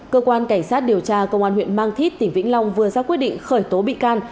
cơ quan cảnh sát điều tra công an huyện mang thít tỉnh vĩnh long vừa ra quyết định khởi tố bị can